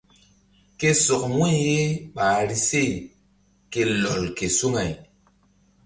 Ke sɔk wu̧y ye ɓahri se ke lɔl ke suŋay.